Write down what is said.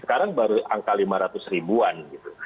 sekarang baru angka lima ratus ribuan gitu